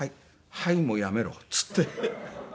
「“はい”もやめろ」っつって。